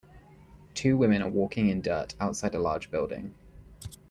Two women are walking in dirt outside a large building.